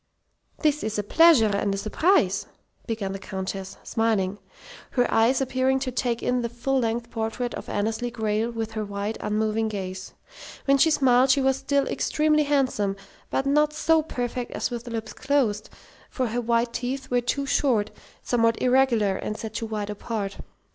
"This is a pleasure and a surprise," began the Countess, smiling, her eyes appearing to take in the full length portrait of Annesley Grayle with their wide, unmoving gaze. When she smiled she was still extremely handsome, but not so perfect as with lips closed, for her white teeth were too short, somewhat irregular, and set too wide apart.